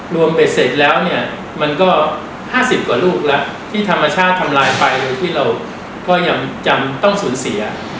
เบ็ดเสร็จแล้วเนี่ยมันก็๕๐กว่าลูกแล้วที่ธรรมชาติทำลายไปโดยที่เราก็ยังจำต้องสูญเสีย